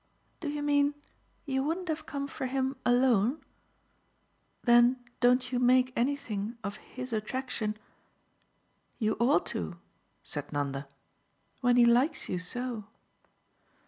"Do you mean you wouldn't have come for him alone? Then don't you make anything of his attraction? You ought to," said Nanda, "when he likes you so."